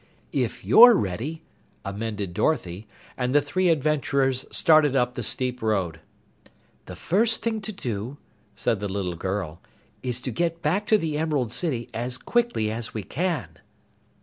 "If you're ready," amended Dorothy, and the three adventurers started up the steep road. "The first thing to do," said the little girl, "is to get back to the Emerald City as quickly as we can."